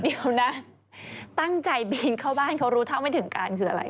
เดี๋ยวนะตั้งใจปีนเข้าบ้านเขารู้เท่าไม่ถึงการคืออะไร